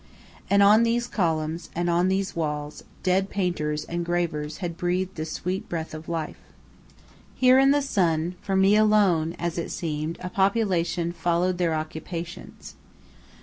And on these columns, and on these walls, dead painters and gravers had breathed the sweet breath of life. Here in the sun, for me alone, as it seemed, a population followed their occupations.